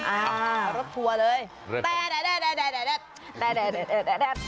อ่ารถทัวร์เลย